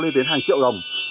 lên đến hàng triệu đồng